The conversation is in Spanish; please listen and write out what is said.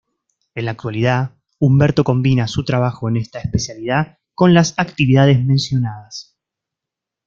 En la actualidad, Humberto combina su trabajo en esta especialidad con las actividades mencionadas.